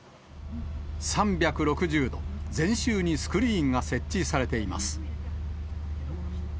３６０度全周にスクリーンが設置されています。